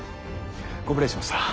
ご無礼しました。